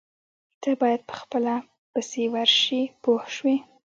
تۀ باید په خپله پسې ورشې پوه شوې!.